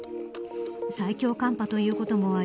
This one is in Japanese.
最強寒波ということもあり